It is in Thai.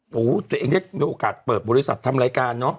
ตัวเองได้มีโอกาสเปิดบริษัททำรายการเนอะ